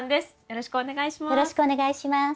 よろしくお願いします。